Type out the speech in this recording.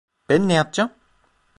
Ben ne yapacağım?